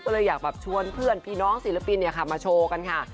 ก็เลยอยากชวนเพื่อนพี่น้องศิลปินเนี่ยค่ะมาโชว์กันค่ะ